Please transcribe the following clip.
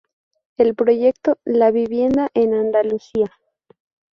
El proyecto "La vivienda en Andalucía.